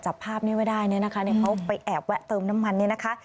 จับภาพนี้ไว้ได้เนี่ยนะคะเขาไปแอบแวะเติมน้ำมันเนี่ยนะคะ